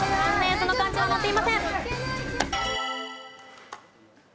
その漢字は載っていません。